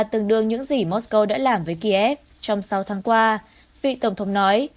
tương đương những gì moscow đã làm với kiev trong sáu tháng qua vì tổng thống nói